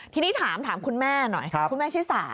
ทีนี้ถามคุณแม่หน่อยคุณแม่ชิสา